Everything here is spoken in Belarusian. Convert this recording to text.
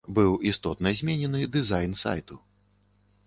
Быў істотна зменены дызайн сайту.